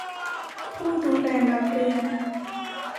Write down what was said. ผู้ดูแลนักเรียน